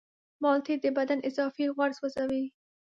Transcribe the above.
مالټې د بدن اضافي غوړ سوځوي.